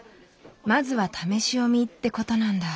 まずは試し読みってことなんだ。